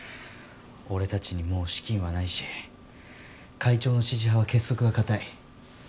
俺たちにもう資金はないし会長の支持派は結束が固い。